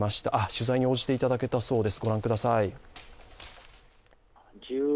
取材に応じていただけたようです。